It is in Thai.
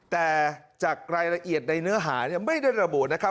แต่จากรายละเอียดในเนื้อหาไม่ได้ระบุนะครับ